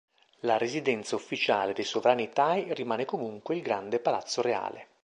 La residenza ufficiale dei sovrani thai rimane comunque il Grande Palazzo Reale.